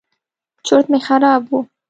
چورت مې خراب و.